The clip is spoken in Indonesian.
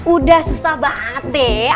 udah suster banget deh